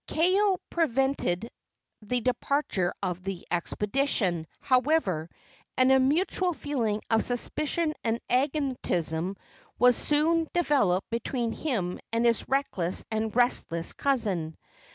Kaeo prevented the departure of the expedition, however, and a mutual feeling of suspicion and antagonism was soon developed between him and his reckless and restless cousin.